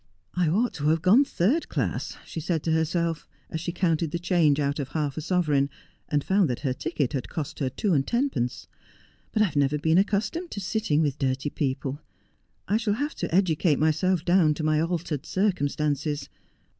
' I ought to have gone third class,' she said to herself, as she counted the change out of half a sovereign, and found that her ticket had cost her two and tenpence, ' but I have never been accustomed to sitting with dirty people. I shall have to educate myself down to my altered circumstances.